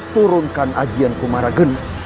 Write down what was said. turunkan ajian komaragen